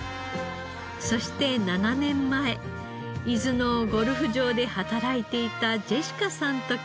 そして７年前伊豆のゴルフ場で働いていたジェシカさんと結婚。